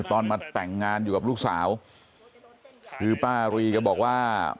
ตอนมาแต่งงานอยู่กับลูกสาวคือป้าอารีก็บอกว่า